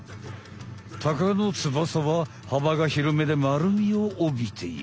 タカの翼ははばがひろめでまるみをおびている。